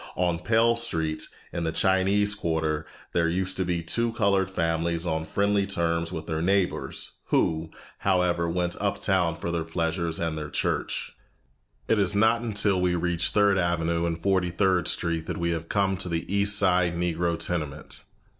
On Pell Street, in the Chinese quarter, there used to be two colored families on friendly terms with their neighbors, who, however, went uptown for their pleasures and their church. It is not until we reach Third Avenue and Forty third Street that we come to the East Side Negro tenement.